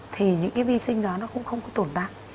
thì những cái vi sinh đó nó cũng không có tổn tạng